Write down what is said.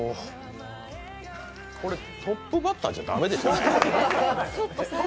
これ、トップバッターじゃ駄目でしたね。